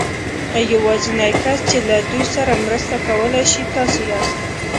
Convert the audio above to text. يوازېنی کس چې له دوی سره مرسته کولای شي تاسې ياست.